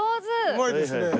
うまいですね。